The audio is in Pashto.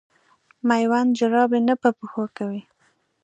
مېوند جراپي نه په پښو کوي.